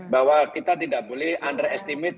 bahwa kita tidak boleh underestimate